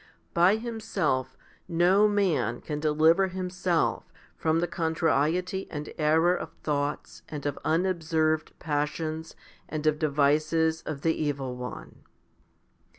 By himself no man can deliver himself from the contrariety and error of thoughts and of unobserved passions and of devices of the evil one.